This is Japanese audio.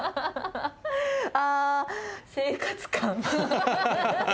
あ生活感。